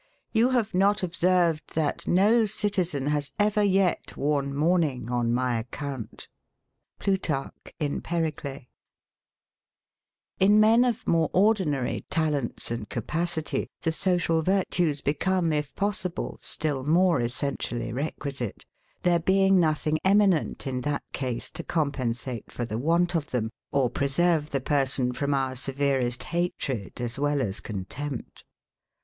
YOU HAVE NOT OBSERVED THAT NO CITIZEN HAS EVER YET WORNE MOURNING ON MY ACCOUNT. [Plut. in Pericle] In men of more ordinary talents and capacity, the social virtues become, if possible, still more essentially requisite; there being nothing eminent, in that case, to compensate for the want of them, or preserve the person from our severest hatred, as well as contempt.